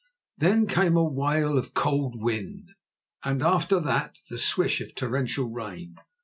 Then came a wail of cold wind, and after that the swish of torrential rain.